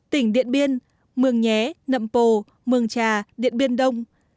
tỉnh điện biên mường nhé nậm pồ mường trà điện biên đông